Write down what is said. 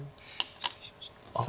失礼しました。